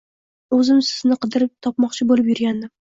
O`zim sizni qidirib topmoqchi bo`lib yurgandim